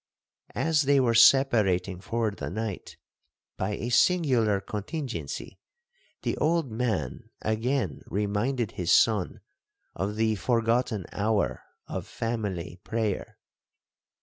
As they were separating for the night, by a singular contingency, the old man again reminded his son of the forgotten hour of family prayer.